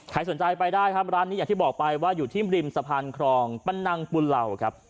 สนใจไปได้ครับร้านนี้อย่างที่บอกไปว่าอยู่ที่ริมสะพานครองปันนังปุ่นเหล่าครับ